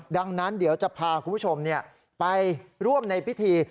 ดังนั้นเดี๋ยวจะพาคุณผู้ชมไปร่วมในพิธี